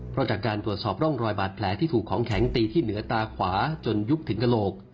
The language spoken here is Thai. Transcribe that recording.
เพราะจากการตรวจสอบร่องรอยบาดแผลที่ถูกของแข็งตีที่เหนือตาขวาจนยุบถึงกระโหลก